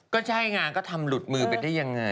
ก็ใช่งานก็ทำหลุดมือไปได้ยังไง